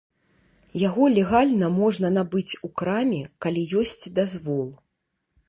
Яго легальна можна набыць у краме, калі ёсць дазвол.